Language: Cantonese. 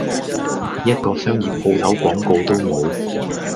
一個商業舖頭廣告都冇!